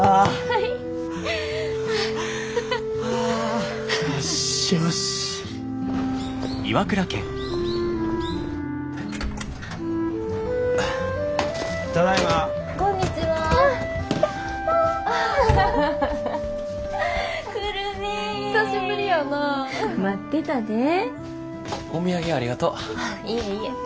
いえいえ。